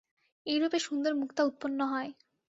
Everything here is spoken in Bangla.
এইরূপে সুন্দর মুক্তা উৎপন্ন হয়।